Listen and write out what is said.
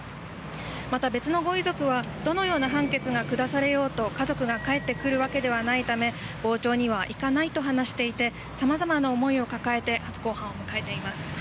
また別のご遺族はどのような判決が下されようと家族が帰ってくるわけではないため傍聴には行かないと話していてさまざまな思いを抱えて初公判を迎えています。